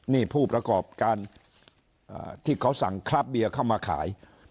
นี่ผู้ประกอบการที่เขาสั่งคราบเบียร์เข้ามาขาย